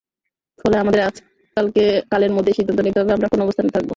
ফলে আমাদের আজকালের মধ্যেই সিদ্ধান্ত নিতে হবে আমরা কোন অবস্থানে থাকব।